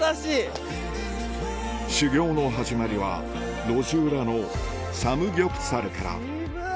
修行の始まりは路地裏のサムギョプサルから・渋っ！